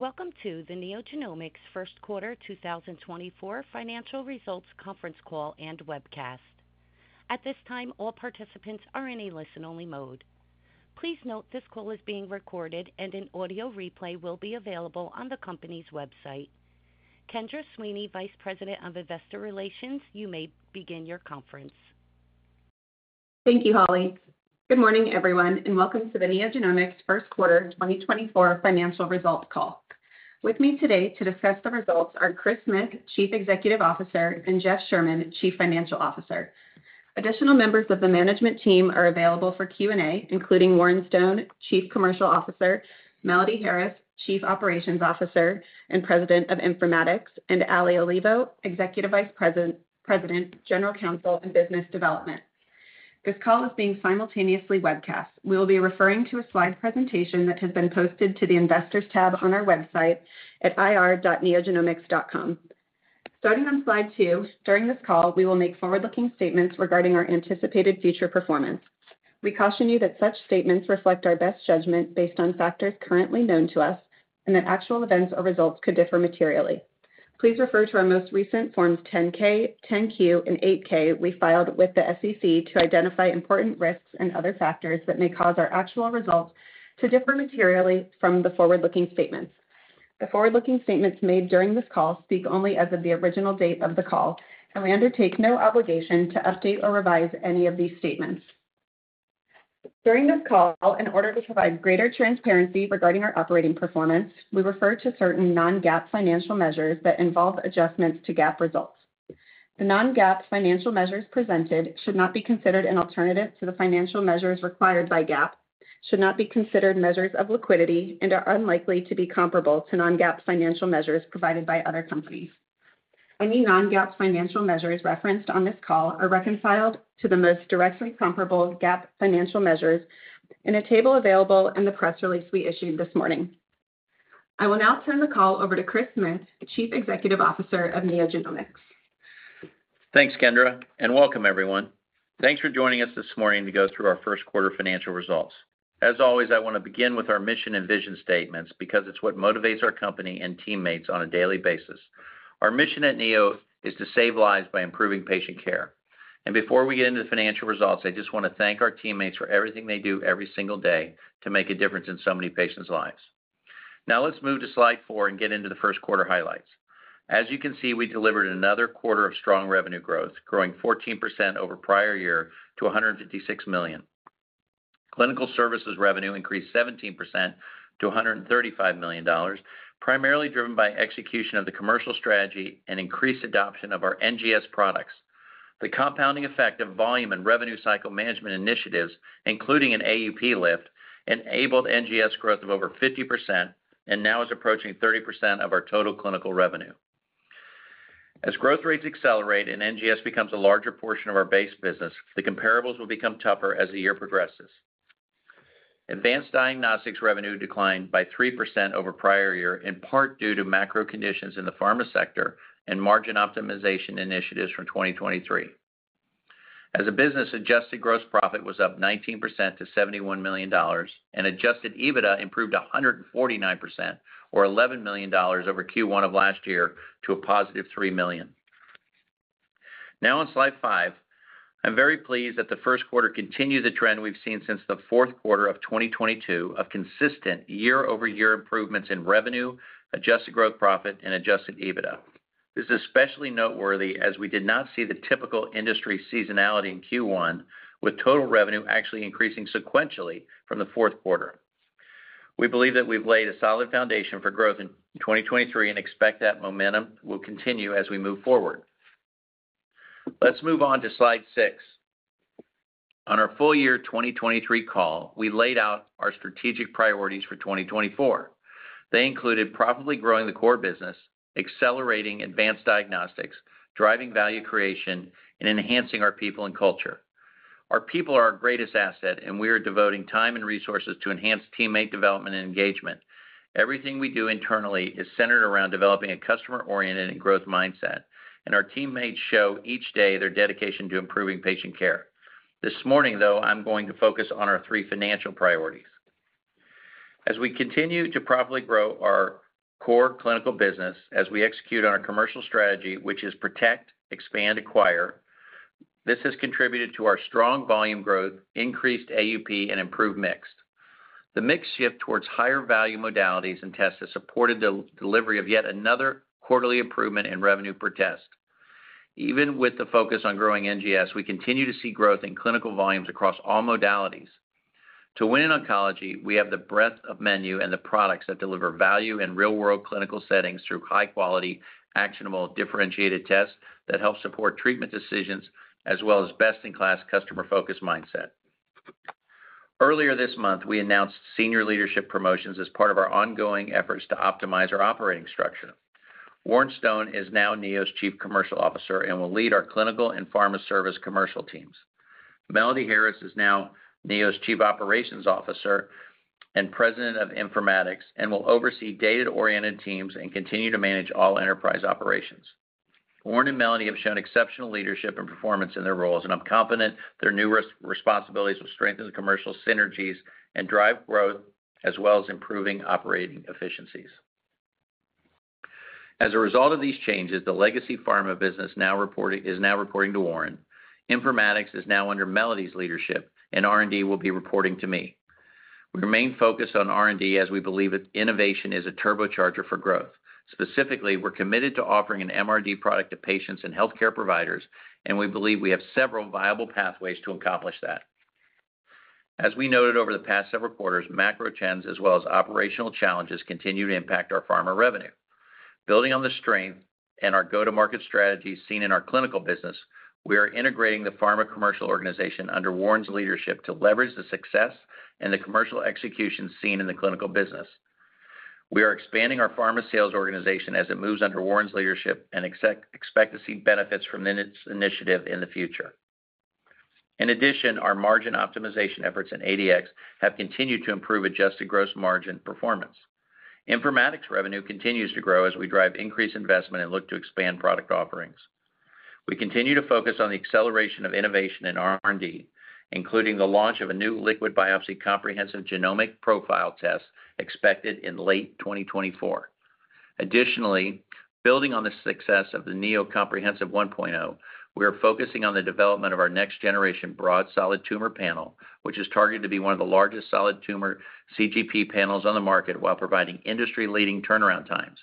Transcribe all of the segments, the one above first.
Welcome to the NeoGenomics First Quarter 2024 Financial Results Conference Call and Webcast. At this time, all participants are in a listen-only mode. Please note, this call is being recorded and an audio replay will be available on the company's website. Kendra Sweeney, Vice President of Investor Relations, you may begin your conference. Thank you, Holly. Good morning, everyone, and welcome to the NeoGenomics First Quarter 2024 financial results call. With me today to discuss the results are Chris Smith, Chief Executive Officer, and Jeff Sherman, Chief Financial Officer. Additional members of the management team are available for Q&A, including Warren Stone, Chief Commercial Officer, Melody Harris, Chief Operations Officer and President of Informatics, and Ali Olivo, Executive Vice President, President, General Counsel, and Business Development. This call is being simultaneously webcast. We will be referring to a slide presentation that has been posted to the Investors tab on our website at ir.neogenomics.com. Starting on slide 2, during this call, we will make forward-looking statements regarding our anticipated future performance. We caution you that such statements reflect our best judgment based on factors currently known to us, and that actual events or results could differ materially. Please refer to our most recent Forms 10-K, 10-Q, and 8-K we filed with the SEC to identify important risks and other factors that may cause our actual results to differ materially from the forward-looking statements. The forward-looking statements made during this call speak only as of the original date of the call, and we undertake no obligation to update or revise any of these statements. During this call, in order to provide greater transparency regarding our operating performance, we refer to certain non-GAAP financial measures that involve adjustments to GAAP results. The non-GAAP financial measures presented should not be considered an alternative to the financial measures required by GAAP, should not be considered measures of liquidity, and are unlikely to be comparable to non-GAAP financial measures provided by other companies. Any non-GAAP financial measures referenced on this call are reconciled to the most directly comparable GAAP financial measures in a table available in the press release we issued this morning. I will now turn the call over to Chris Smith, Chief Executive Officer of NeoGenomics. Thanks, Kendra, and welcome everyone. Thanks for joining us this morning to go through our first quarter financial results. As always, I want to begin with our mission and vision statements, because it's what motivates our company and teammates on a daily basis. Our mission at Neo is to save lives by improving patient care. Before we get into the financial results, I just want to thank our teammates for everything they do every single day to make a difference in so many patients' lives. Now, let's move to slide four and get into the first quarter highlights. As you can see, we delivered another quarter of strong revenue growth, growing 14% over prior year to $156 million. Clinical Services revenue increased 17% to $135 million, primarily driven by execution of the commercial strategy and increased adoption of our NGS products. The compounding effect of volume and revenue cycle management initiatives, including an AUP lift, enabled NGS growth of over 50% and now is approaching 30% of our total clinical revenue. As growth rates accelerate and NGS becomes a larger portion of our base business, the comparables will become tougher as the year progresses. Advanced Diagnostics revenue declined by 3% over prior year, in part due to macro conditions in the pharma sector and margin optimization initiatives from 2023. As a business, adjusted gross profit was up 19% to $71 million, and adjusted EBITDA improved 149% or $11 million over Q1 of last year to a positive $3 million. Now on slide five, I'm very pleased that the first quarter continued the trend we've seen since the fourth quarter of 2022 of consistent year-over-year improvements in revenue, adjusted gross profit and adjusted EBITDA. This is especially noteworthy as we did not see the typical industry seasonality in Q1, with total revenue actually increasing sequentially from the fourth quarter. We believe that we've laid a solid foundation for growth in 2023 and expect that momentum will continue as we move forward. Let's move on to slide six. On our full year 2023 call, we laid out our strategic priorities for 2024. They included profitably growing the core business, accelerating advanced diagnostics, driving value creation, and enhancing our people and culture. Our people are our greatest asset, and we are devoting time and resources to enhance teammate development and engagement. Everything we do internally is centered around developing a customer-oriented and growth mindset, and our teammates show each day their dedication to improving patient care. This morning, though, I'm going to focus on our three financial priorities. As we continue to profitably grow our core clinical business, as we execute on our commercial strategy, which is protect, expand, acquire, this has contributed to our strong volume growth, increased AUP, and improved mix. The mix shift towards higher value modalities and tests has supported the delivery of yet another quarterly improvement in revenue per test. Even with the focus on growing NGS, we continue to see growth in clinical volumes across all modalities. To win in oncology, we have the breadth of menu and the products that deliver value in real-world clinical settings through high quality, actionable, differentiated tests that help support treatment decisions, as well as best-in-class customer focus mindset. Earlier this month, we announced senior leadership promotions as part of our ongoing efforts to optimize our operating structure. Warren Stone is now Neo's Chief Commercial Officer and will lead our clinical and pharma service commercial teams. Melody Harris is now Neo's Chief Operations Officer and President of Informatics, and will oversee data-oriented teams and continue to manage all enterprise operations. Warren and Melody have shown exceptional leadership and performance in their roles, and I'm confident their new responsibilities will strengthen the commercial synergies and drive growth, as well as improving operating efficiencies. As a result of these changes, the legacy pharma business is now reporting to Warren. Informatics is now under Melody's leadership, and R&D will be reporting to me. We remain focused on R&D as we believe that innovation is a turbocharger for growth. Specifically, we're committed to offering an MRD product to patients and healthcare providers, and we believe we have several viable pathways to accomplish that. As we noted over the past several quarters, macro trends, as well as operational challenges, continue to impact our pharma revenue. Building on the strength and our go-to-market strategies seen in our clinical business, we are integrating the pharma commercial organization under Warren's leadership to leverage the success and the commercial execution seen in the clinical business. We are expanding our pharma sales organization as it moves under Warren's leadership and expect to see benefits from the initiative in the future. In addition, our margin optimization efforts in ADX have continued to improve adjusted gross margin performance. Informatics revenue continues to grow as we drive increased investment and look to expand product offerings. We continue to focus on the acceleration of innovation in R&D, including the launch of a new liquid biopsy comprehensive genomic profile test expected in late 2024. Additionally, building on the success of the NeoComprehensive 1.0, we are focusing on the development of our next-generation broad solid tumor panel, which is targeted to be one of the largest solid tumor CGP panels on the market, while providing industry-leading turnaround times.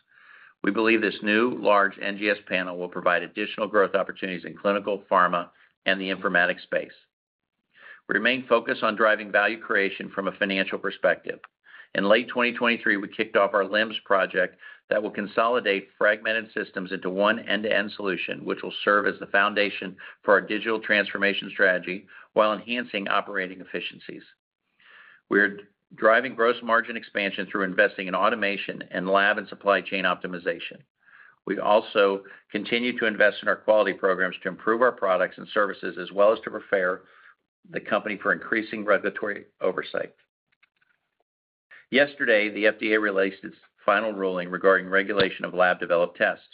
We believe this new, large NGS panel will provide additional growth opportunities in clinical, pharma, and the informatics space. We remain focused on driving value creation from a financial perspective. In late 2023, we kicked off our LIMS project that will consolidate fragmented systems into one end-to-end solution, which will serve as the foundation for our digital transformation strategy while enhancing operating efficiencies. We're driving gross margin expansion through investing in automation and lab and supply chain optimization. We also continue to invest in our quality programs to improve our products and services, as well as to prepare the company for increasing regulatory oversight. Yesterday, the FDA released its final ruling regarding regulation of lab-developed tests.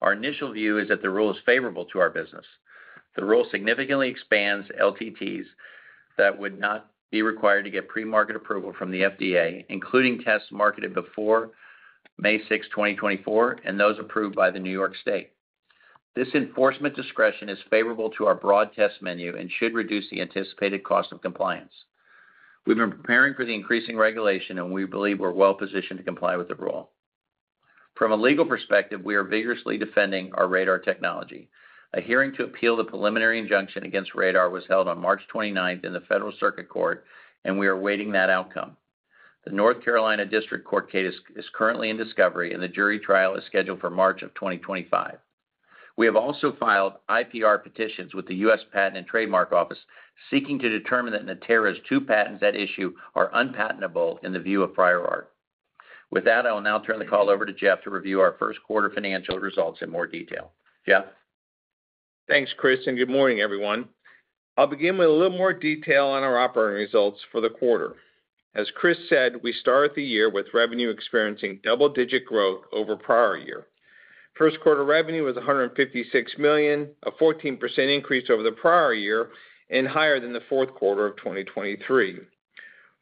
Our initial view is that the rule is favorable to our business. The rule significantly expands LDTs that would not be required to get pre-market approval from the FDA, including tests marketed before May 6, 2024, and those approved by the New York State. This enforcement discretion is favorable to our broad test menu and should reduce the anticipated cost of compliance. We've been preparing for the increasing regulation, and we believe we're well positioned to comply with the rule. From a legal perspective, we are vigorously defending our RaDaR technology. A hearing to appeal the preliminary injunction against RaDaR was held on March 29th in the Federal Circuit Court, and we are awaiting that outcome. The North Carolina District Court case is currently in discovery, and the jury trial is scheduled for March of 2025. We have also filed IPR petitions with the U.S. Patent and Trademark Office, seeking to determine that Natera's two patents at issue are unpatentable in the view of prior art. With that, I will now turn the call over to Jeff to review our first quarter financial results in more detail. Jeff? Thanks, Chris, and good morning, everyone. I'll begin with a little more detail on our operating results for the quarter. As Chris said, we started the year with revenue experiencing double-digit growth over prior year. First quarter revenue was $156 million, a 14% increase over the prior year and higher than the fourth quarter of 2023.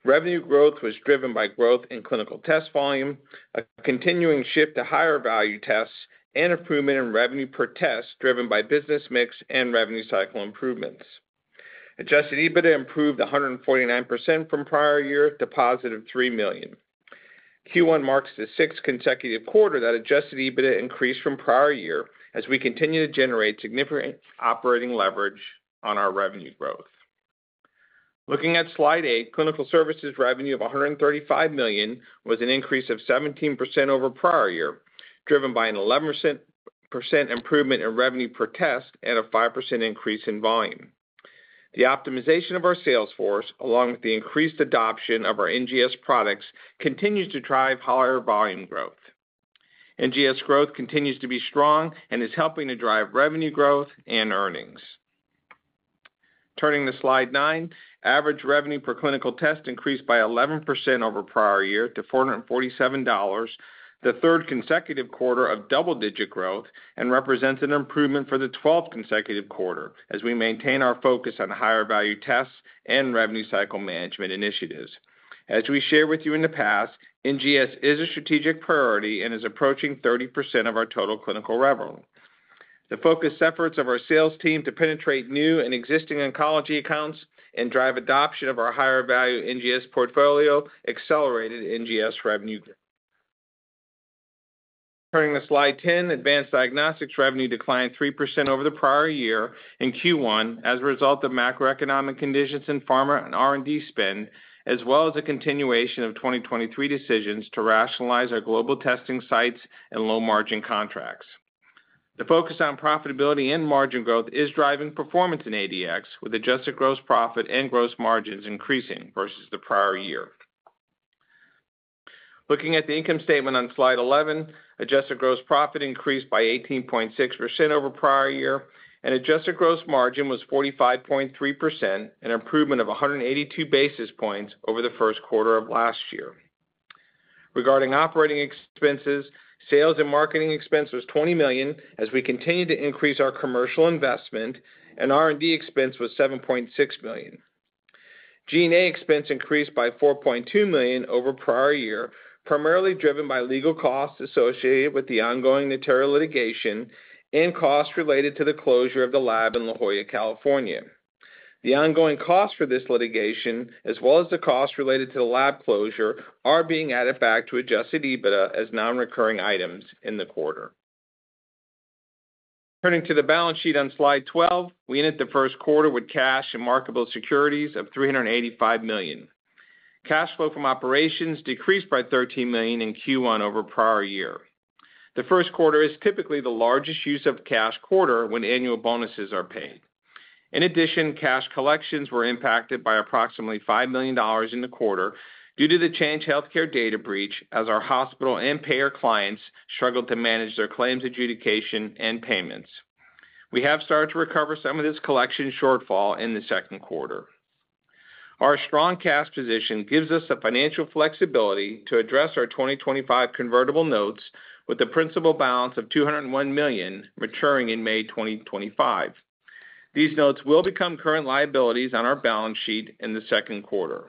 Revenue growth was driven by growth in clinical test volume, a continuing shift to higher value tests, and improvement in revenue per test, driven by business mix and revenue cycle improvements. Adjusted EBITDA improved 149% from prior year to positive $3 million. Q1 marks the sixth consecutive quarter that adjusted EBITDA increased from prior year, as we continue to generate significant operating leverage on our revenue growth. Looking at slide eight, clinical services revenue of $135 million was an increase of 17% over prior year, driven by an 11% improvement in revenue per test and a 5% increase in volume. The optimization of our sales force, along with the increased adoption of our NGS products, continues to drive higher volume growth. NGS growth continues to be strong and is helping to drive revenue growth and earnings. Turning to slide nine, average revenue per clinical test increased by 11% over prior year to $447, the third consecutive quarter of double-digit growth and represents an improvement for the twelfth consecutive quarter as we maintain our focus on higher-value tests and revenue cycle management initiatives. As we shared with you in the past, NGS is a strategic priority and is approaching 30% of our total clinical revenue. The focused efforts of our sales team to penetrate new and existing oncology accounts and drive adoption of our higher-value NGS portfolio accelerated NGS revenue growth. Turning to slide 10, advanced diagnostics revenue declined 3% over the prior year in Q1 as a result of macroeconomic conditions in pharma and R&D spend, as well as a continuation of 2023 decisions to rationalize our global testing sites and low-margin contracts. The focus on profitability and margin growth is driving performance in ADX, with adjusted gross profit and gross margins increasing versus the prior year. Looking at the income statement on slide 11, adjusted gross profit increased by 18.6% over prior year, and adjusted gross margin was 45.3%, an improvement of 182 basis points over the first quarter of last year. Regarding operating expenses, sales and marketing expense was $20 million as we continue to increase our commercial investment, and R&D expense was $7.6 million. G&A expense increased by $4.2 million over prior year, primarily driven by legal costs associated with the ongoing Natera litigation and costs related to the closure of the lab in La Jolla, California. The ongoing costs for this litigation, as well as the costs related to the lab closure, are being added back to adjusted EBITDA as non-recurring items in the quarter. Turning to the balance sheet on slide 12, we ended the first quarter with cash and marketable securities of $385 million. Cash flow from operations decreased by $13 million in Q1 over prior year. The first quarter is typically the largest use of cash quarter when annual bonuses are paid. In addition, cash collections were impacted by approximately $5 million in the quarter due to the Change Healthcare data breach, as our hospital and payer clients struggled to manage their claims, adjudication, and payments. We have started to recover some of this collection shortfall in the second quarter. Our strong cash position gives us the financial flexibility to address our 2025 convertible notes, with the principal balance of $201 million maturing in May 2025. These notes will become current liabilities on our balance sheet in the second quarter.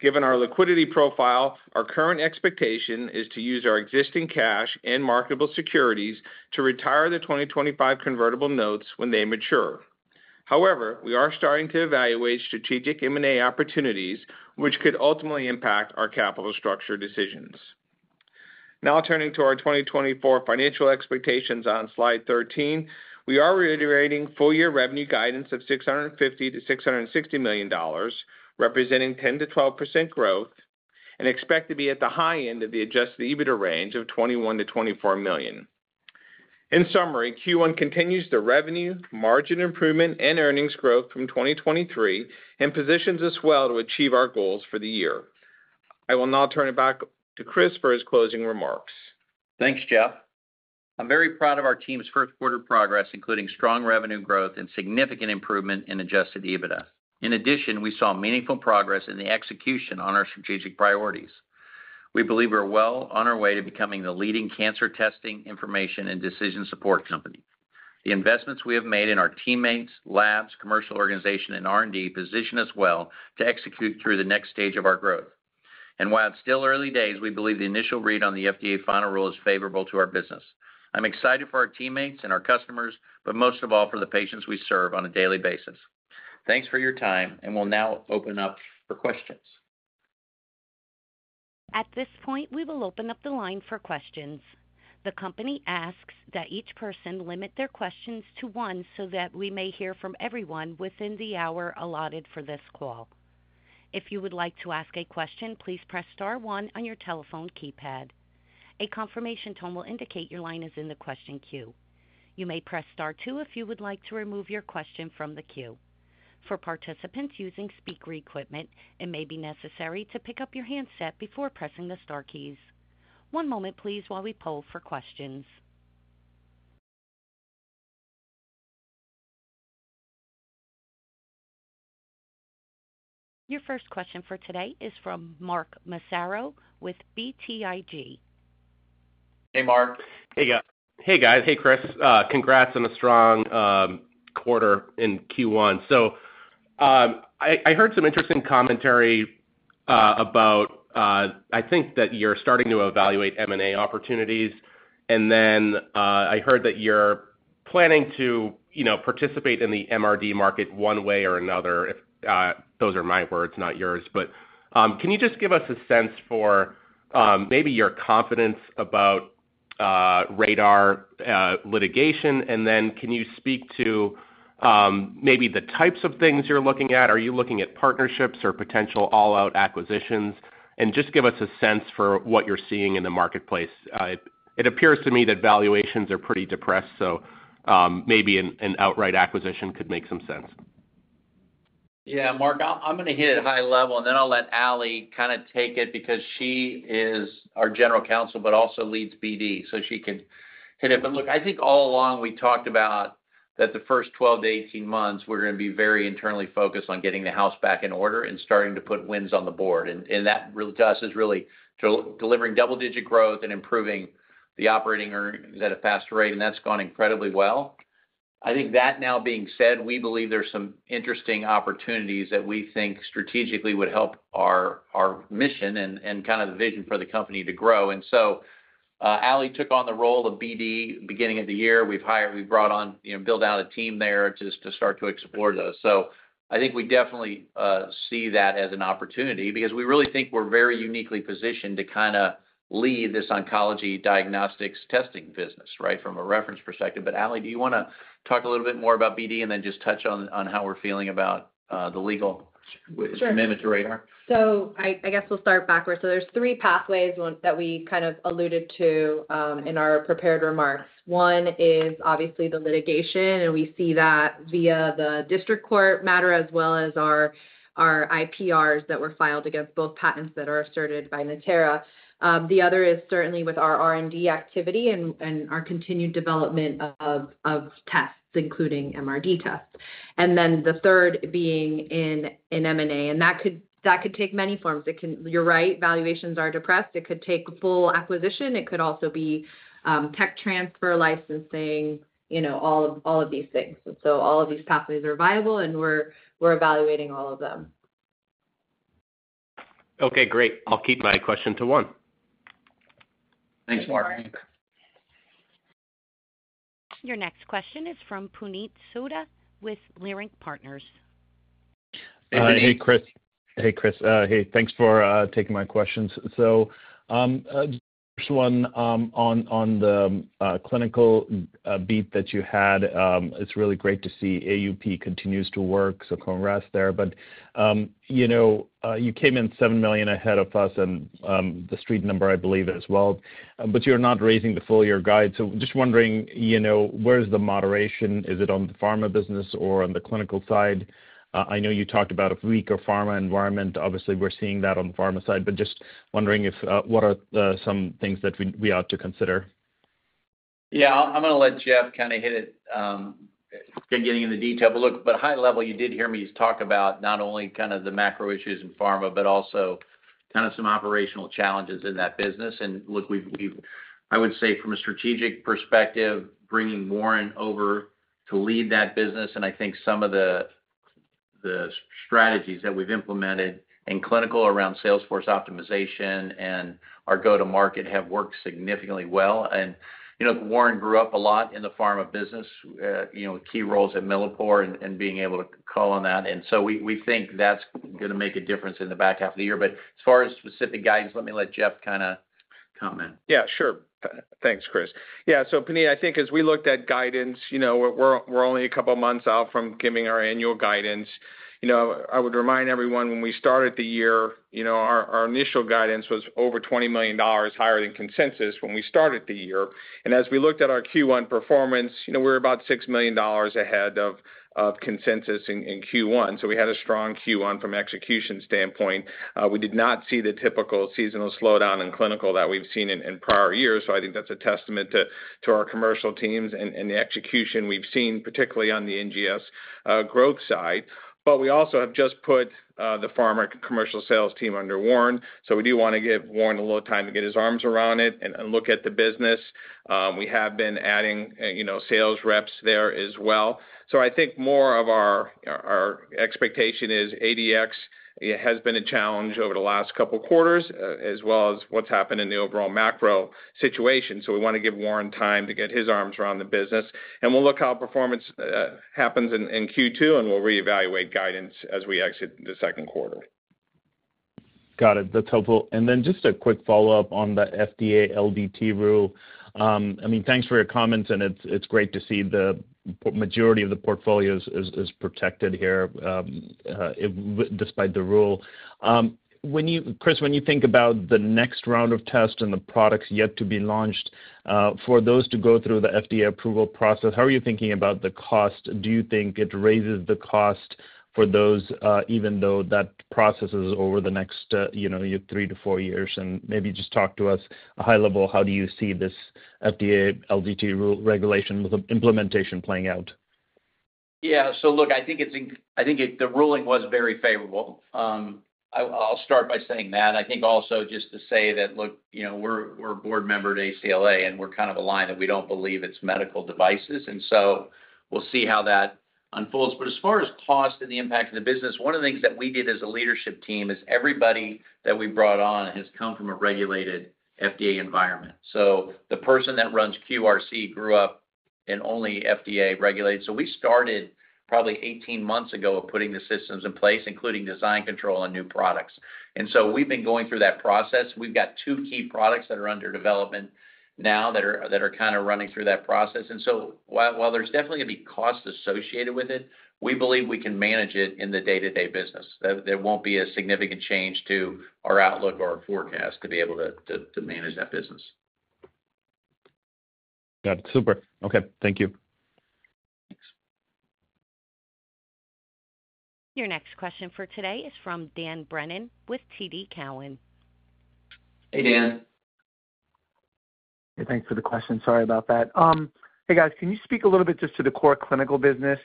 Given our liquidity profile, our current expectation is to use our existing cash and marketable securities to retire the 2025 convertible notes when they mature. However, we are starting to evaluate strategic M&A opportunities, which could ultimately impact our capital structure decisions. Now turning to our 2024 financial expectations on slide 13. We are reiterating full-year revenue guidance of $650 million-$660 million, representing 10%-12% growth, and expect to be at the high end of the adjusted EBITDA range of $21 million-$24 million. In summary, Q1 continues the revenue, margin improvement, and earnings growth from 2023 and positions us well to achieve our goals for the year. I will now turn it back to Chris for his closing remarks. Thanks, Jeff. I'm very proud of our team's first quarter progress, including strong revenue growth and significant improvement in adjusted EBITDA. In addition, we saw meaningful progress in the execution on our strategic priorities. We believe we're well on our way to becoming the leading cancer testing, information, and decision support company. The investments we have made in our teammates, labs, commercial organization, and R&D position us well to execute through the next stage of our growth. And while it's still early days, we believe the initial read on the FDA final rule is favorable to our business. I'm excited for our teammates and our customers, but most of all, for the patients we serve on a daily basis. Thanks for your time, and we'll now open up for questions. At this point, we will open up the line for questions. The company asks that each person limit their questions to one so that we may hear from everyone within the hour allotted for this call. If you would like to ask a question, please press star one on your telephone keypad. A confirmation tone will indicate your line is in the question queue. You may press star two if you would like to remove your question from the queue. For participants using speaker equipment, it may be necessary to pick up your handset before pressing the star keys. One moment, please, while we poll for questions. Your first question for today is from Mark Massaro with BTIG. Hey, Mark. Hey, guys. Hey, Chris. Congrats on a strong quarter in Q1. So, I heard some interesting commentary about I think that you're starting to evaluate M&A opportunities, and then I heard that you're planning to, you know, participate in the MRD market one way or another. If those are my words, not yours. But can you just give us a sense for maybe your confidence about RaDaR litigation? And then can you speak to maybe the types of things you're looking at? Are you looking at partnerships or potential all-out acquisitions? And just give us a sense for what you're seeing in the marketplace. It appears to me that valuations are pretty depressed, so maybe an outright acquisition could make some sense. Yeah, Mark, I'm going to hit it high level, and then I'll let Ali kind of take it, because she is our general counsel, but also leads BD, so she can hit it. But look, I think all along we talked about that the first 12-18 months, we're going to be very internally focused on getting the house back in order and starting to put wins on the board. And that to us is really delivering double-digit growth and improving the operating earnings at a faster rate, and that's gone incredibly well. I think that now being said, we believe there's some interesting opportunities that we think strategically would help our mission and kind of the vision for the company to grow. And so, Ali took on the role of BD, beginning of the year. We've brought on, you know, built out a team there to start to explore those. So I think we definitely see that as an opportunity because we really think we're very uniquely positioned to kind of lead this oncology diagnostics testing business, right, from a reference perspective. But, Ali, do you want to talk a little bit more about BD and then just touch on how we're feeling about the legal- Sure. Commitment to RaDaR? I guess we'll start backwards. So there's three pathways that we kind of alluded to in our prepared remarks. One is obviously the litigation, and we see that via the district court matter, as well as our IPRs that were filed against both patents that are asserted by Natera. The other is certainly with our R&D activity and our continued development of tests, including MRD tests. And then the third being in M&A, and that could take many forms. It can... You're right, valuations are depressed. It could take full acquisition, it could also be tech transfer, licensing, you know, all of these things. So all of these pathways are viable, and we're evaluating all of them. Okay, great. I'll keep my question to one. Thanks, Mark. Your next question is from Puneet Souda with Leerink Partners. Hey, Chris. Hey, Chris. Hey, thanks for taking my questions. So, first one, on the clinical beat that you had, it's really great to see AUP continues to work, so congrats there. But, you know, you came in $7 million ahead of us and, the street number, I believe, as well, but you're not raising the full year guide. So just wondering, you know, where's the moderation? Is it on the pharma business or on the clinical side? I know you talked about a weaker pharma environment. Obviously, we're seeing that on the pharma side, but just wondering if, what are, some things that we ought to consider? Yeah, I'm going to let Jeff kind of hit it, getting into detail. But look, high level, you did hear me talk about not only kind of the macro issues in pharma, but also kind of some operational challenges in that business. And look, I would say from a strategic perspective, bringing Warren over to lead that business, and I think some of the strategies that we've implemented in clinical around sales force optimization and our go-to-market have worked significantly well. And, you know, Warren grew up a lot in the pharma business, you know, with key roles at Millipore and being able to call on that. And so we think that's going to make a difference in the back half of the year. But as far as specific guidance, let me let Jeff kind of comment. Yeah, sure. Thanks, Chris. Yeah, so Puneet, I think as we looked at guidance, you know, we're only a couple of months out from giving our annual guidance. You know, I would remind everyone, when we started the year, you know, our initial guidance was over $20 million higher than consensus when we started the year. And as we looked at our Q1 performance, you know, we're about $6 million ahead of consensus in Q1, so we had a strong Q1 from execution standpoint. We did not see the typical seasonal slowdown in clinical that we've seen in prior years, so I think that's a testament to our commercial teams and the execution we've seen, particularly on the NGS growth side. We also have just put the pharma commercial sales team under Warren, so we do want to give Warren a little time to get his arms around it and, and look at the business. We have been adding, you know, sales reps there as well. So I think more of our, our expectation is ADX, it has been a challenge over the last couple of quarters, as well as what's happened in the overall macro situation. So we want to give Warren time to get his arms around the business, and we'll look how performance happens in Q2, and we'll reevaluate guidance as we exit the second quarter. Got it. That's helpful. And then just a quick follow-up on the FDA LDT rule. I mean, thanks for your comments, and it's great to see the majority of the portfolios is protected here, despite the rule. When you-- Chris, when you think about the next round of tests and the products yet to be launched, for those to go through the FDA approval process, how are you thinking about the cost? Do you think it raises the cost for those, even though that process is over the next, you know, three to four years? And maybe just talk to us a high level, how do you see this FDA LDT rule regulation with implementation playing out? Yeah. So look, I think it's. The ruling was very favorable. I'll start by saying that. I think also just to say that, look, you know, we're a board member at ACLA, and we're kind of aligned that we don't believe it's medical devices, and so we'll see how that unfolds. But as far as cost and the impact of the business, one of the things that we did as a leadership team is everybody that we brought on has come from a regulated FDA environment. So the person that runs QRC grew up in only FDA-regulated. So we started probably 18 months ago of putting the systems in place, including design control and new products. And so we've been going through that process. We've got two key products that are under development now that are kind of running through that process. And so while there's definitely going to be costs associated with it, we believe we can manage it in the day-to-day business. There won't be a significant change to our outlook or our forecast to be able to manage that business. Got it. Super. Okay, thank you. Thanks. Your next question for today is from Dan Brennan with TD Cowen. Hey, Dan. Hey, thanks for the question. Sorry about that. Hey, guys, can you speak a little bit just to the core clinical business?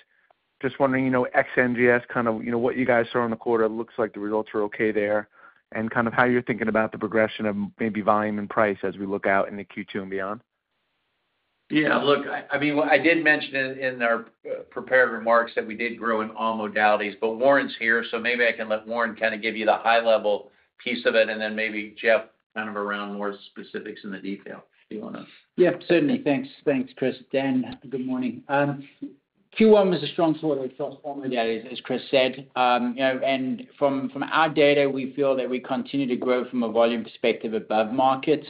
Just wondering, you know, ex NGS, kind of, you know, what you guys saw in the quarter. It looks like the results are okay there, and kind of how you're thinking about the progression of maybe volume and price as we look out into Q2 and beyond. Yeah, look, I mean, I did mention in our prepared remarks that we did grow in all modalities, but Warren's here, so maybe I can let Warren kind of give you the high level piece of it, and then maybe Jeff, kind of around more specifics in the detail. Do you want to? Yeah, certainly. Thanks. Thanks, Chris. Dan, good morning. Q1 was a strong quarter across all modalities, as Chris said. You know, and from, from our data, we feel that we continue to grow from a volume perspective above markets,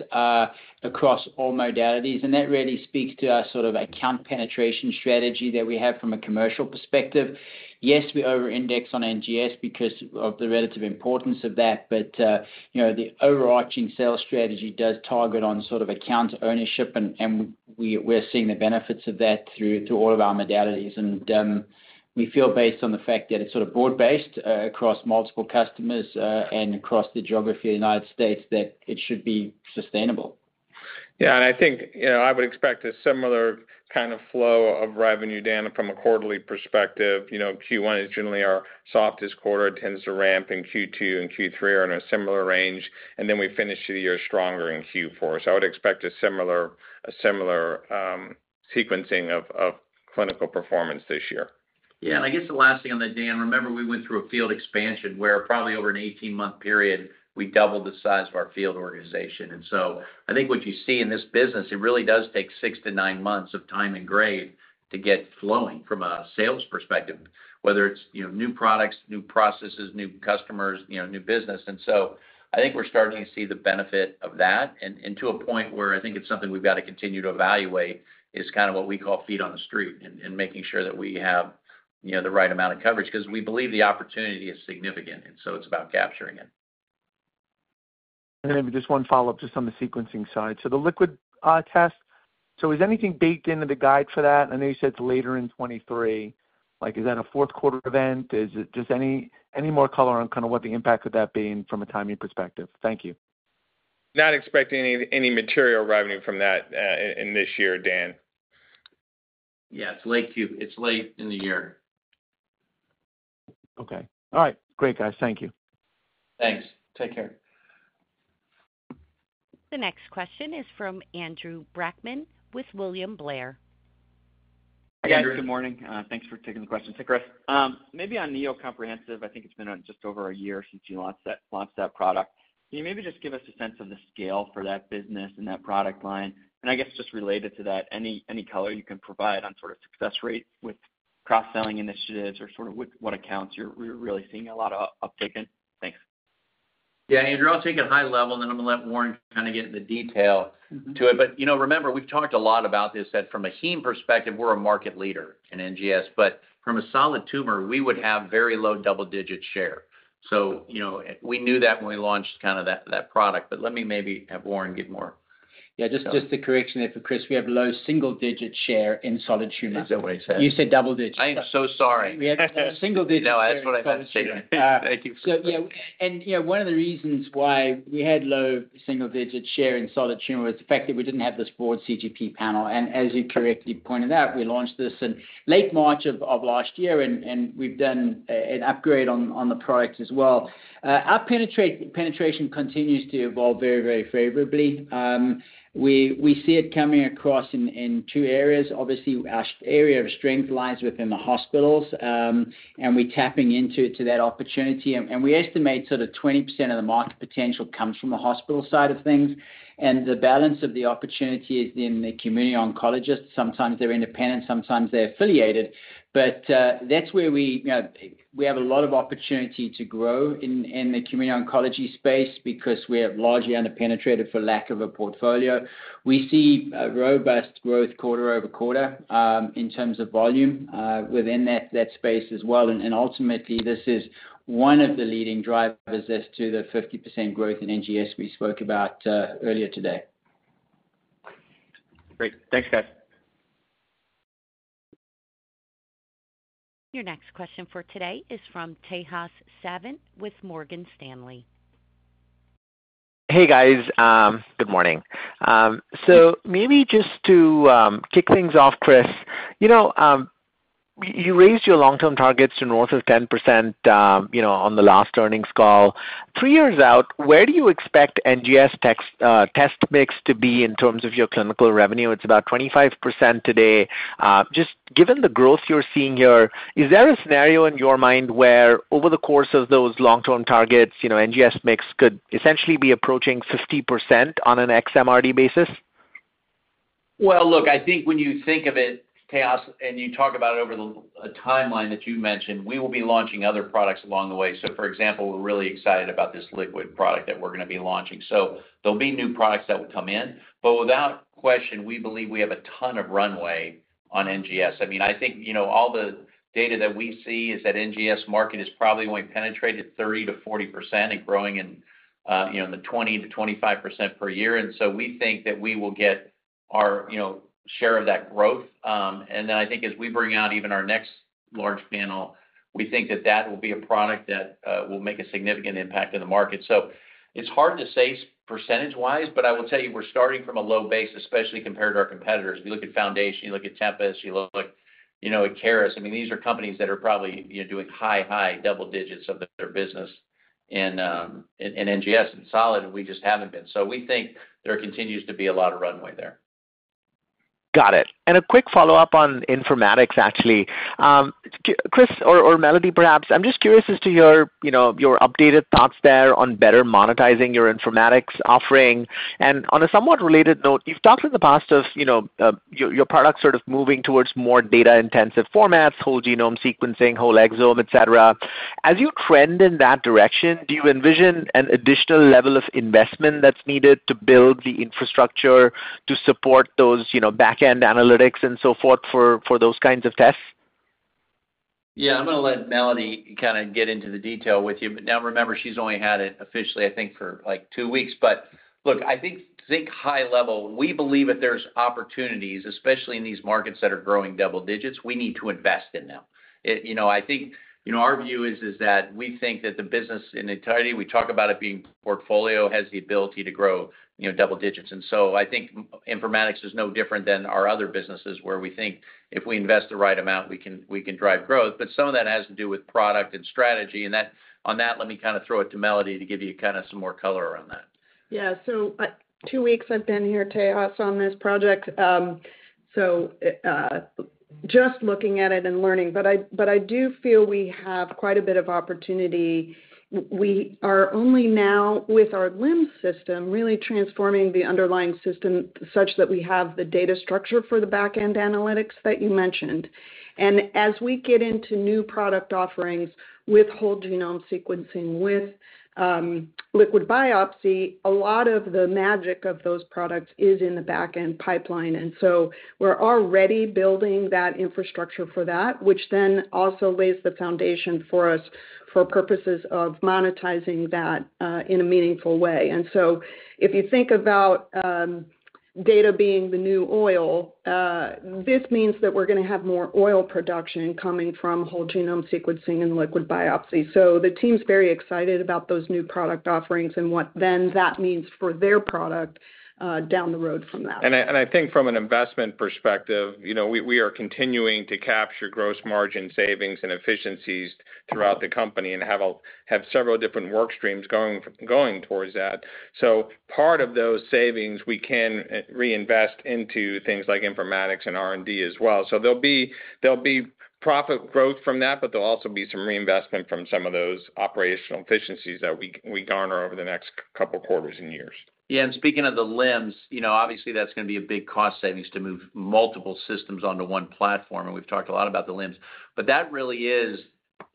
across all modalities, and that really speaks to our sort of account penetration strategy that we have from a commercial perspective. Yes, we overindex on NGS because of the relative importance of that, but, you know, the overarching sales strategy does target on sort of account ownership, and, and we're seeing the benefits of that through to all of our modalities. We feel based on the fact that it's sort of broad-based, across multiple customers, and across the geography of the United States, that it should be sustainable. Yeah, and I think, you know, I would expect a similar kind of flow of revenue, Dan, from a quarterly perspective. You know, Q1 is generally our softest quarter, tends to ramp in Q2, and Q3 are in a similar range, and then we finish the year stronger in Q4. So I would expect a similar, a similar, sequencing of clinical performance this year. Yeah, and I guess the last thing on that, Dan, remember we went through a field expansion where probably over an 18-month period, we doubled the size of our field organization. And so I think what you see in this business, it really does take six to nine months of time and grade to get flowing from a sales perspective, whether it's, you know, new products, new processes, new customers, you know, new business. And so I think we're starting to see the benefit of that, and, and to a point where I think it's something we've got to continue to evaluate, is kind of what we call feet on the street, and, and making sure that we have, you know, the right amount of coverage, 'cause we believe the opportunity is significant, and so it's about capturing it. Then just one follow-up, just on the sequencing side. So the liquid test, so is anything baked into the guide for that? I know you said it's later in 2023. Like, is that a fourth quarter event? Is it just any, any more color on kind of what the impact of that being from a timing perspective? Thank you. Not expecting any, any material revenue from that in this year, Dan. Yeah, it's late in the year. Okay. All right. Great, guys. Thank you. Thanks. Take care. The next question is from Andrew Brackman, with William Blair. Hi, guys. Good morning. Thanks for taking the question. Hey, Andrew. Maybe on NeoComprehensive, I think it's been just over a year since you launched that product. Can you maybe just give us a sense of the scale for that business and that product line? And I guess just related to that, any color you can provide on sort of success rate with cross-selling initiatives or sort of with what accounts you're really seeing a lot of uptake in? Thanks. Yeah, Andrew, I'll take it high level, then I'm gonna let Warren kind of get into the detail to it. But, you know, remember, we've talked a lot about this, that from a heme perspective, we're a market leader in NGS, but from a solid tumor, we would have very low double-digit share. So, you know, we knew that when we launched kind of that product, but let me maybe have Warren give more. Yeah, just, just the correction there for Chris. We have low single-digit share in solid tumor. That's what I said. You said double digits. I am so sorry. We have single digits- No, that's what I meant to say. Thank you. So, yeah, and, you know, one of the reasons why we had low single-digit share in solid tumor is the fact that we didn't have this broad CGP panel. As you correctly pointed out, we launched this in late March of last year, and we've done an upgrade on the product as well. Our penetration continues to evolve very, very favorably. We see it coming across in two areas. Obviously, our area of strength lies within the hospitals, and we're tapping into that opportunity. We estimate sort of 20% of the market potential comes from the hospital side of things, and the balance of the opportunity is in the community oncologist. Sometimes they're independent, sometimes they're affiliated. But that's where we, you know, we have a lot of opportunity to grow in, in the community oncology space because we are largely underpenetrated for lack of a portfolio. We see a robust growth quarter-over-quarter in terms of volume within that, that space as well. And ultimately, this is one of the leading drivers as to the 50% growth in NGS we spoke about earlier today. Great. Thanks, guys. Your next question for today is from Tejas Savant, with Morgan Stanley. Hey, guys, good morning. So maybe just to kick things off, Chris, you know, you raised your long-term targets to north of 10%, you know, on the last earnings call. Three years out, where do you expect NGS test mix to be in terms of your clinical revenue? It's about 25% today. Just given the growth you're seeing here, is there a scenario in your mind where over the course of those long-term targets, you know, NGS mix could essentially be approaching 50% on an xMRD basis? Well, look, I think when you think of it, Tejas, and you talk about it over the, a timeline that you mentioned, we will be launching other products along the way. So for example, we're really excited about this liquid product that we're gonna be launching. So there'll be new products that will come in, but without question, we believe we have a ton of runway on NGS. I mean, I think, you know, all the data that we see is that NGS market is probably only penetrated 30%-40% and growing in, you know, in the 20%-25% per year. And so we think that we will get our, you know, share of that growth. Then I think as we bring out even our next large panel, we think that that will be a product that will make a significant impact in the market. So it's hard to say percentage-wise, but I will tell you, we're starting from a low base, especially compared to our competitors. If you look at Foundation, you look at Tempus, you look, you know, at Caris, I mean, these are companies that are probably, you know, doing high, high double digits of their business in NGS and solid, and we just haven't been. So we think there continues to be a lot of runway there. Got it. And a quick follow-up on informatics, actually. Chris or Melody, perhaps, I'm just curious as to your, you know, your updated thoughts there on better monetizing your informatics offering. And on a somewhat related note, you've talked in the past of, you know, your, your product sort of moving towards more data-intensive formats, whole genome sequencing, whole exome, et cetera. As you trend in that direction, do you envision an additional level of investment that's needed to build the infrastructure to support those, you know, back-end analytics and so forth for those kinds of tests? Yeah, I'm gonna let Melody kind of get into the detail with you. But now, remember, she's only had it officially, I think, for, like, two weeks. But look, I think high level, we believe that there's opportunities, especially in these markets that are growing double digits, we need to invest in them. You know, I think, you know, our view is that we think that the business in entirety, we talk about it being portfolio, has the ability to grow, you know, double digits. And so I think Informatics is no different than our other businesses, where we think if we invest the right amount, we can drive growth. But some of that has to do with product and strategy, and that- on that, let me kind of throw it to Melody to give you kind of some more color around that. Yeah, so, two weeks I've been here, Tejas, on this project. So, just looking at it and learning, but I do feel we have quite a bit of opportunity. We are only now, with our LIMS system, really transforming the underlying system such that we have the data structure for the back-end analytics that you mentioned. And as we get into new product offerings with whole genome sequencing, with liquid biopsy, a lot of the magic of those products is in the back-end pipeline. We're already building that infrastructure for that, which then also lays the foundation for us for purposes of monetizing that in a meaningful way. And so if you think about data being the new oil, this means that we're gonna have more oil production coming from whole genome sequencing and liquid biopsy. The team's very excited about those new product offerings and what then that means for their product, down the road from that. I think from an investment perspective, you know, we are continuing to capture gross margin savings and efficiencies throughout the company and have several different work streams going towards that. So part of those savings, we can reinvest into things like informatics and R&D as well. So there'll be profit growth from that, but there'll also be some reinvestment from some of those operational efficiencies that we garner over the next couple quarters and years. Yeah, and speaking of the LIMS, you know, obviously, that's gonna be a big cost savings to move multiple systems onto one platform, and we've talked a lot about the LIMS. But that really is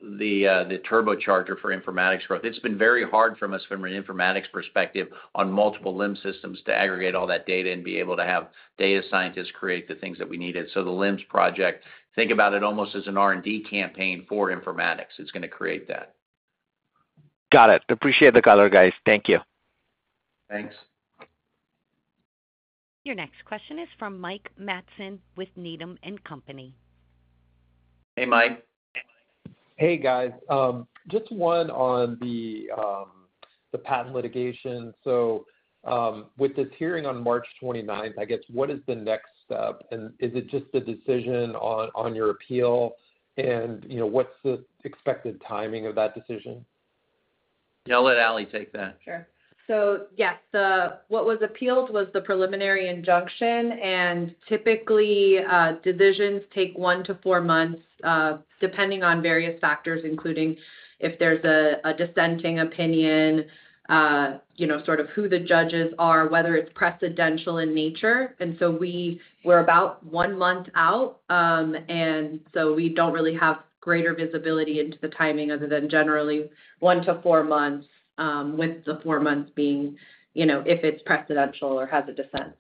the turbocharger for informatics growth. It's been very hard from us, from an informatics perspective, on multiple LIMS systems, to aggregate all that data and be able to have data scientists create the things that we needed. So the LIMS project, think about it almost as an R&D campaign for informatics. It's gonna create that. Got it. Appreciate the color, guys. Thank you. Thanks. Your next question is from Mike Matson with Needham and Company. Hey, Mike. Hey, guys. Just one on the patent litigation. So, with this hearing on March 29th, I guess, what is the next step? And is it just the decision on your appeal? And, you know, what's the expected timing of that decision? I'll let Ali take that. Sure. So yes, the... What was appealed was the preliminary injunction, and typically, divisions take one to four months, depending on various factors, including if there's a dissenting opinion, you know, sort of who the judges are, whether it's precedential in nature. And so we're about 1 month out, and so we don't really have greater visibility into the timing other than generally one to four months, with the four months being, you know, if it's precedential or has a dissent.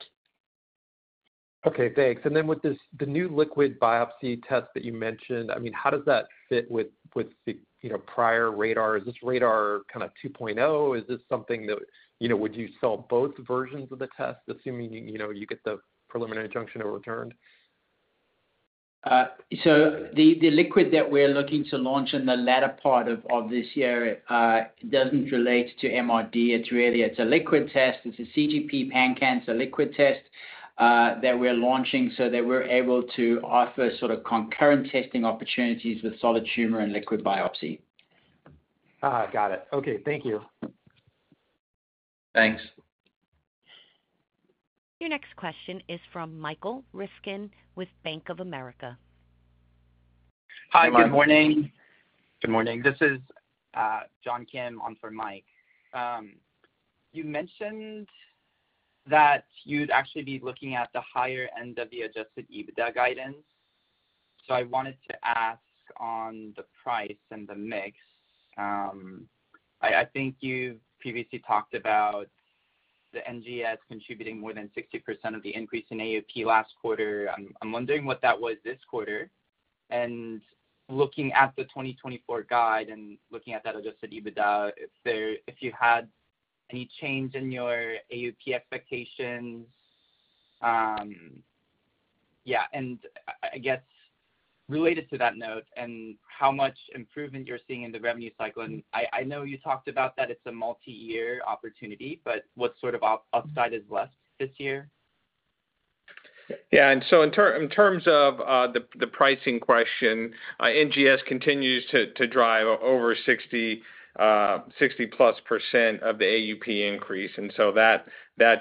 Okay, thanks. And then with this, the new liquid biopsy test that you mentioned, I mean, how does that fit with, with the, you know, prior RaDaR? Is this RaDaR kind of 2.0? Is this something that, you know, would you sell both versions of the test, assuming, you know, you get the preliminary injunction overturned? The liquid that we're looking to launch in the latter part of this year doesn't relate to MRD. It's really a liquid test. It's a CGP pan-cancer liquid test that we're launching so that we're able to offer sort of concurrent testing opportunities with solid tumor and liquid biopsy. Ah, got it. Okay, thank you. Thanks. Your next question is from Michael Ryskin with Bank of America. Hi, good morning. Good morning. This is John Kim on for Mike. You mentioned that you'd actually be looking at the higher end of the adjusted EBITDA guidance. So I wanted to ask on the price and the mix. I think you've previously talked about the NGS contributing more than 60% of the increase in AUP last quarter. I'm wondering what that was this quarter, and looking at the 2024 guide and looking at that adjusted EBITDA, if you had any change in your AUP expectations. And I guess related to that note and how much improvement you're seeing in the revenue cycle, and I know you talked about that it's a multi-year opportunity, but what sort of upside is left this year? Yeah, and so in terms of the pricing question, NGS continues to drive over 60, 60+% of the AUP increase, and so that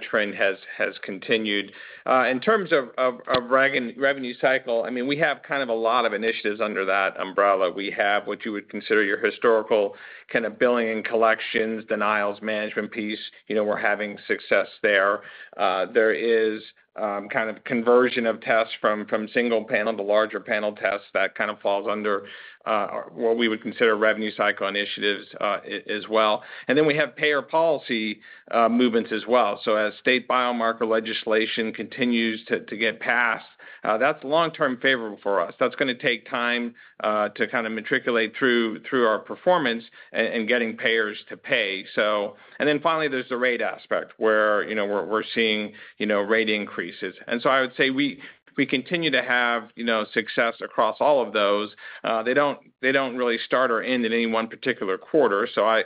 trend has continued. In terms of revenue cycle, I mean, we have kind of a lot of initiatives under that umbrella. We have what you would consider your historical kind of billing and collections, denials, management piece. You know, we're having success there. There is kind of conversion of tests from single panel to larger panel tests that kind of falls under what we would consider revenue cycle initiatives as well. And then we have payer policy movements as well. So as state biomarker legislation continues to get passed, that's long-term favorable for us. That's gonna take time to kind of matriculate through our performance and getting payers to pay. So... And then finally, there's the rate aspect, where, you know, we're seeing, you know, rate increases. And so I would say we continue to have, you know, success across all of those. They don't really start or end in any one particular quarter, so I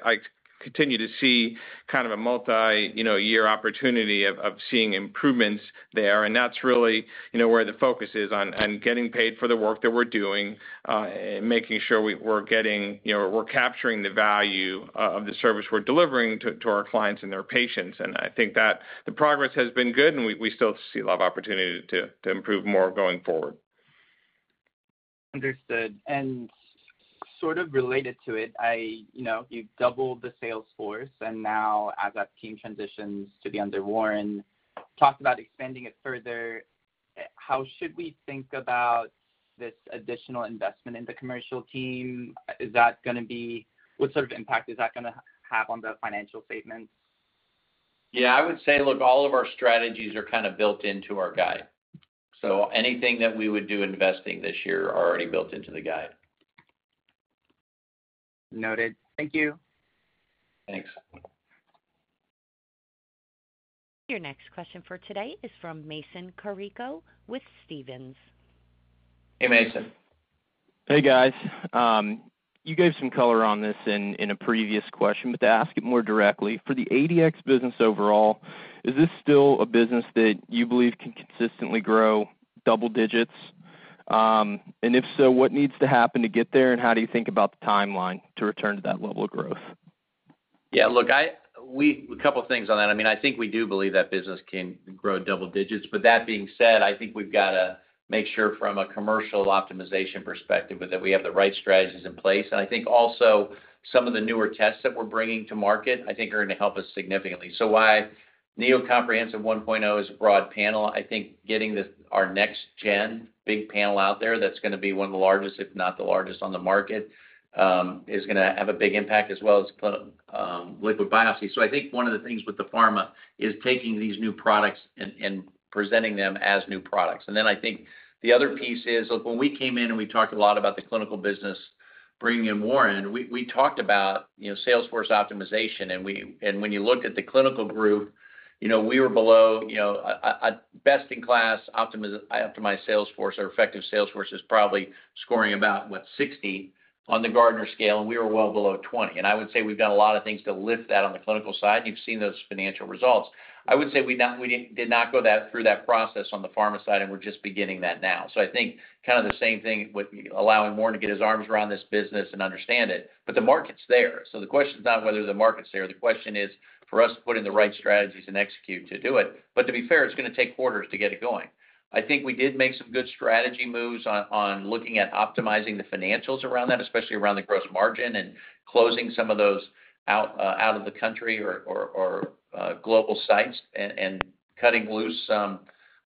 continue to see kind of a multi-year opportunity of seeing improvements there. And that's really, you know, where the focus is on getting paid for the work that we're doing, making sure we're getting... You know, we're capturing the value of the service we're delivering to our clients and their patients. And I think that the progress has been good, and we still see a lot of opportunity to improve more going forward. Understood. And sort of related to it, I, you know, you've doubled the sales force, and now as that team transitions to be under Warren, talked about expanding it further. How should we think about this additional investment in the commercial team? Is that gonna be? What sort of impact is that gonna have on the financial statements? Yeah, I would say, look, all of our strategies are kind of built into our guide. Anything that we would do investing this year are already built into the guide. Noted. Thank you. Thanks. Your next question for today is from Mason Carrico with Stephens. Hey, Mason. Hey, guys. You gave some color on this in a previous question, but to ask it more directly: for the ADX business overall, is this still a business that you believe can consistently grow double digits? And if so, what needs to happen to get there, and how do you think about the timeline to return to that level of growth? Yeah, look, a couple things on that. I mean, I think we do believe that business can grow double digits. But that being said, I think we've got to make sure from a commercial optimization perspective, that we have the right strategies in place. And I think also some of the newer tests that we're bringing to market, I think are going to help us significantly. So while NeoComprehensive 1.0 is a broad panel, I think getting this, our next gen big panel out there, that's gonna be one of the largest, if not the largest on the market, is gonna have a big impact as well as liquid biopsy. So I think one of the things with the pharma is taking these new products and presenting them as new products. I think the other piece is, look, when we came in and we talked a lot about the clinical business, bringing in Warren, we talked about, you know, sales force optimization. And when you look at the clinical group, you know, we were below, you know, a best-in-class optimized sales force or effective sales force is probably scoring about 60 on the Gartner scale, and we were well below 20. And I would say we've done a lot of things to lift that on the clinical side. You've seen those financial results. I would say we did not go through that process on the pharma side, and we're just beginning that now. So I think kind of the same thing with allowing Warren to get his arms around this business and understand it, but the market's there. The question is not whether the market's there, the question is for us to put in the right strategies and execute to do it. But to be fair, it's gonna take quarters to get it going. I think we did make some good strategy moves on looking at optimizing the financials around that, especially around the gross margin and closing some of those out of the country or global sites and cutting loose some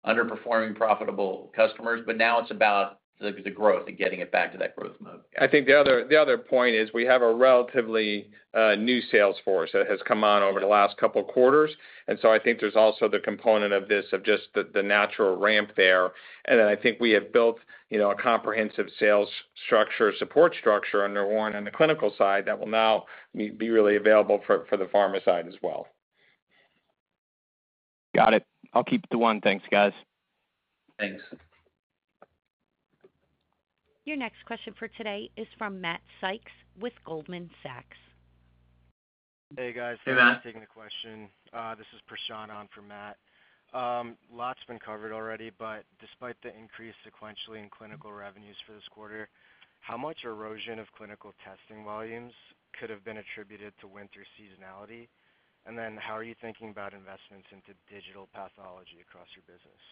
underperforming profitable customers. But now it's about the growth and getting it back to that growth mode. I think the other point is we have a relatively new sales force that has come on over the last couple of quarters. And so I think there's also the component of this, of just the natural ramp there. And then I think we have built, you know, a comprehensive sales structure, support structure under Warren on the clinical side that will now be really available for the pharma side as well. Got it. I'll keep it to one. Thanks, guys. Thanks. Your next question for today is from Matt Sykes with Goldman Sachs. Hey, guys. Hey, Matt. Thanks for taking the question. This is Prashant on for Matt. Lots been covered already, but despite the increase sequentially in clinical revenues for this quarter, how much erosion of clinical testing volumes could have been attributed to winter seasonality? And then how are you thinking about investments into digital pathology across your business?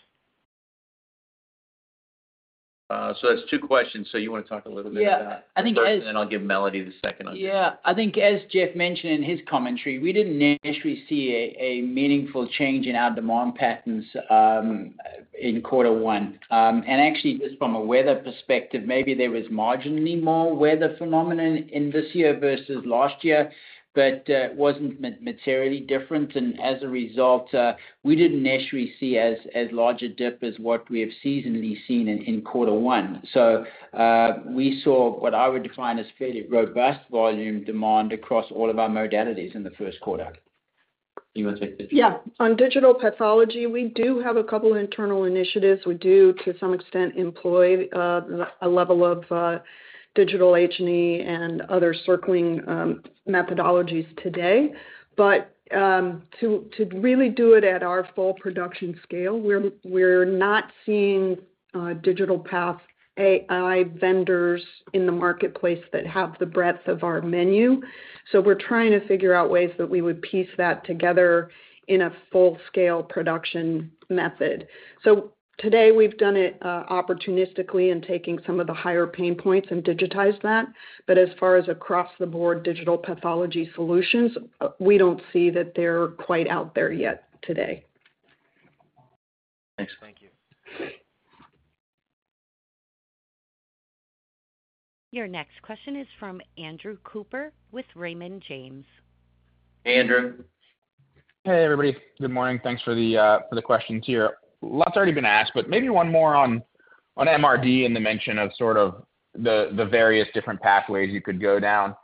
So that's two questions. So you want to talk a little bit about- Yeah, I think as- Then I'll give Melody the second one. Yeah. I think as Jeff mentioned in his commentary, we didn't necessarily see a meaningful change in our demand patterns in quarter one. And actually, just from a weather perspective, maybe there was marginally more weather phenomenon in this year versus last year, but wasn't materially different. And as a result, we didn't necessarily see as large a dip as what we have seasonally seen in quarter one. So, we saw what I would define as fairly robust volume demand across all of our modalities in the first quarter. You want to take this? Yeah. On digital pathology, we do have a couple internal initiatives. We do, to some extent, employ a level of digital H&E and other circling methodologies today. But to really do it at our full production scale, we're not seeing digital path AI vendors in the marketplace that have the breadth of our menu. So we're trying to figure out ways that we would piece that together in a full-scale production method. So today, we've done it opportunistically in taking some of the higher pain points and digitized that. But as far as across the board digital pathology solutions, we don't see that they're quite out there yet today. Thanks. Thank you. Your next question is from Andrew Cooper with Raymond James. Hey, Andrew. Hey, everybody. Good morning. Thanks for the questions here. Lots already been asked, but maybe one more on MRD and the mention of sort of the various different pathways you could go down.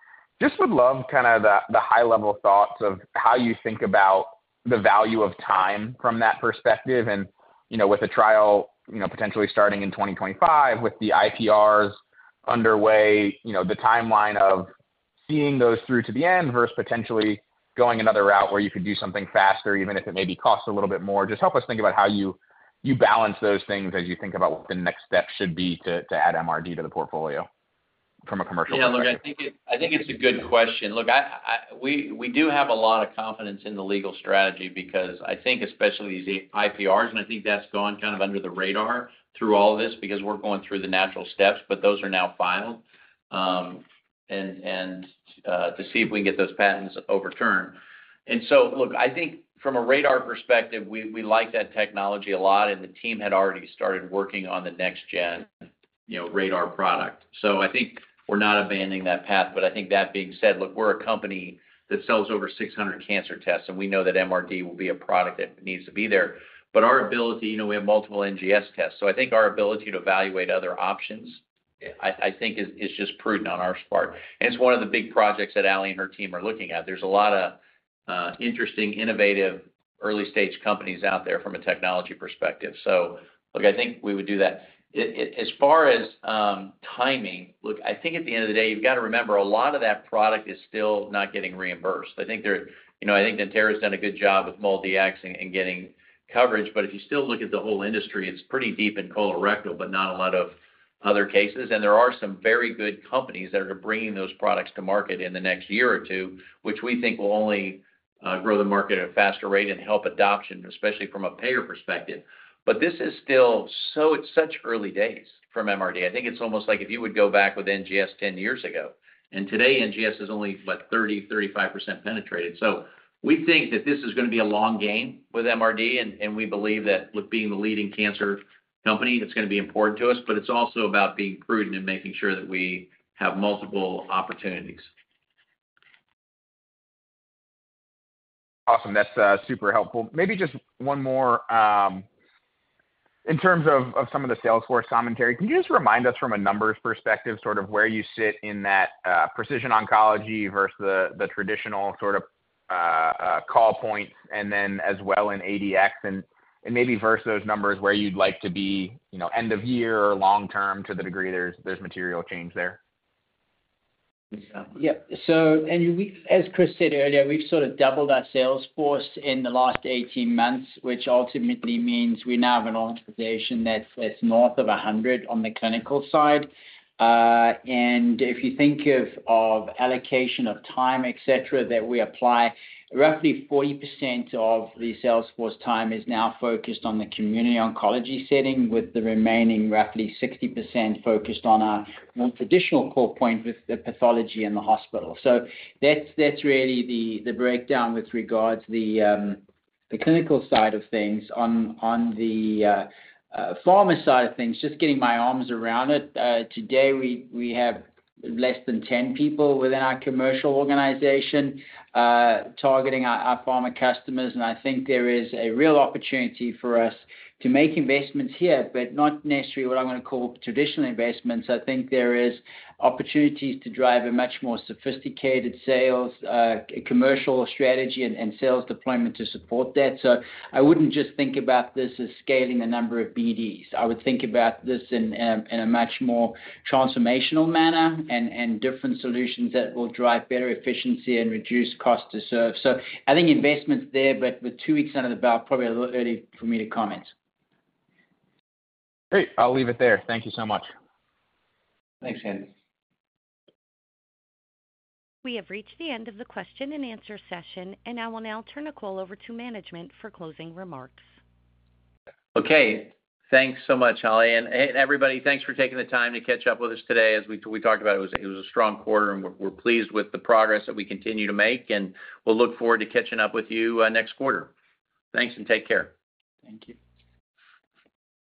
Just would love kind of the high-level thoughts of how you think about the value of time from that perspective. And, you know, with the trial, you know, potentially starting in 2025, with the IPRs underway, you know, the timeline of seeing those through to the end versus potentially going another route where you could do something faster, even if it maybe costs a little bit more. Just help us think about how you balance those things as you think about what the next step should be to add MRD to the portfolio. Yeah, look, I think it's a good question. Look, we do have a lot of confidence in the legal strategy because I think especially the IPRs, and I think that's gone kind of under the radar through all of this, because we're going through the natural steps, but those are now filed to see if we can get those patents overturned. And so, look, I think from a radar perspective, we like that technology a lot, and the team had already started working on the next gen, you know, radar product. So I think we're not abandoning that path. But I think that being said, look, we're a company that sells over 600 cancer tests, and we know that MRD will be a product that needs to be there. But our ability... You know, we have multiple NGS tests, so I think our ability to evaluate other options is just prudent on our part. And it's one of the big projects that Ali and her team are looking at. There's a lot of interesting, innovative, early-stage companies out there from a technology perspective. So look, I think we would do that. It— As far as timing, look, I think at the end of the day, you've got to remember, a lot of that product is still not getting reimbursed. I think they're, you know, I think Natera has done a good job with MolDX and getting coverage, but if you still look at the whole industry, it's pretty deep in colorectal, but not a lot of other cases. There are some very good companies that are bringing those products to market in the next year or two, which we think will only grow the market at a faster rate and help adoption, especially from a payer perspective. But this is still so—It's such early days from MRD. I think it's almost like if you would go back with NGS 10 years ago, and today, NGS is only, what? 30%-35% penetrated. So we think that this is gonna be a long game with MRD, and we believe that with being the leading cancer company, that's gonna be important to us, but it's also about being prudent and making sure that we have multiple opportunities. Awesome. That's super helpful. Maybe just one more. In terms of some of the sales force commentary, can you just remind us from a numbers perspective, sort of where you sit in that precision oncology versus the traditional sort of call points, and then as well in ADX, and maybe versus those numbers where you'd like to be, you know, end of year or long term, to the degree there's material change there? Yeah. So, as Chris said earlier, we've sort of doubled our sales force in the last 18 months, which ultimately means we now have an organization that's, that's north of 100 on the clinical side. And if you think of allocation of time, etc., that we apply, roughly 40% of the sales force time is now focused on the community oncology setting, with the remaining roughly 60% focused on our more traditional core point with the pathology in the hospital. So that's really the breakdown with regards to the clinical side of things. On the pharma side of things, just getting my arms around it. Today, we have less than 10 people within our commercial organization targeting our pharma customers, and I think there is a real opportunity for us to make investments here, but not necessarily what I want to call traditional investments. I think there is opportunities to drive a much more sophisticated sales commercial strategy and sales deployment to support that. So I wouldn't just think about this as scaling the number of BDs. I would think about this in a much more transformational manner and different solutions that will drive better efficiency and reduce cost to serve. So I think investment's there, but with two weeks under the belt, probably a little early for me to comment. Great. I'll leave it there. Thank you so much. Thanks, Andrew. We have reached the end of the question and answer session, and I will now turn the call over to management for closing remarks. Okay. Thanks so much, Holly, and everybody, thanks for taking the time to catch up with us today. As we talked about, it was a strong quarter, and we're pleased with the progress that we continue to make, and we'll look forward to catching up with you, next quarter. Thanks, and take care.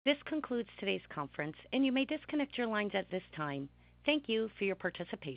This concludes today's conference, and you may disconnect your lines at this time. Thank you for your participation.